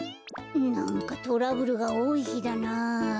なんかトラブルがおおいひだな。